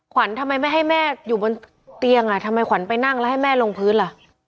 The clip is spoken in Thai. ขวัญทำไมไม่ให้แม่อยู่บนเตียงอ่ะทำไมขวัญไปนั่งแล้วให้แม่ลงพื้นล่ะ